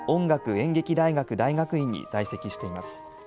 ・演劇大学大学院に在籍しています。